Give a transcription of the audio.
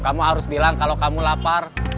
kamu harus bilang kalau kamu lapar